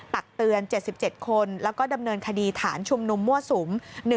ตักเตือน๗๗คนแล้วก็ดำเนินคดีฐานชุมนุมมั่วสุม